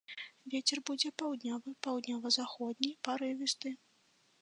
Вецер будзе паўднёвы, паўднёва-заходні парывісты.